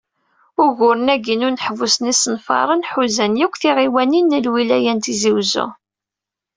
Uguren-agi n uneḥbus n yisenfaren, ḥuzan yakk tiɣiwanin n lwilaya n Tizi Uzzu.